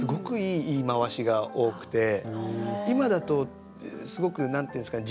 今だとすごく何て言うんですかね